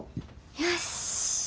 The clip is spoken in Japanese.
よし。